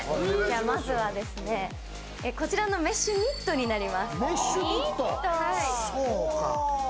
まずは、こちらのメッシュニットになります。